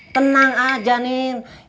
tenang aja ninn